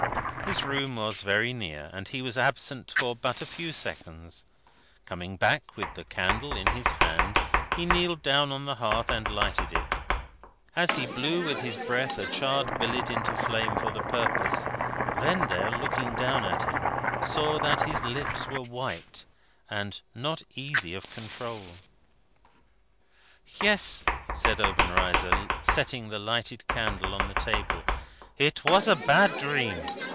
His room was very near, and he was absent for but a few seconds. Coming back with the candle in his hand, he kneeled down on the hearth and lighted it. As he blew with his breath a charred billet into flame for the purpose, Vendale, looking down at him, saw that his lips were white and not easy of control. "Yes!" said Obenreizer, setting the lighted candle on the table, "it was a bad dream.